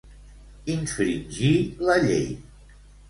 Infringir la llei.